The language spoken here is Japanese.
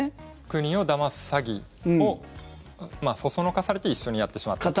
国をだます詐欺をそそのかされて一緒にやってしまったと。